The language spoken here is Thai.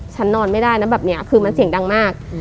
ฉันนอนไม่ได้นะแบบนี้คือมันเสียงดังมาก